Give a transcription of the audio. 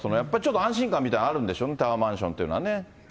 安心感みたいのあるんでしょうね、タワーマンションっていうのはね。